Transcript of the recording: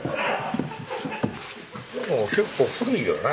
結構古いよね